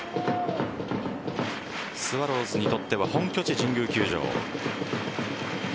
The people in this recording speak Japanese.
スワローズにとっては本拠地・神宮球場。